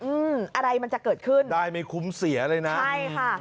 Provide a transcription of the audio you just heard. อืมอะไรมันจะเกิดขึ้นได้ไม่คุ้มเสียเลยนะใช่ค่ะ